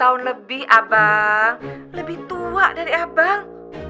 udah lima puluh tahun lebih abang lebih tua dari abang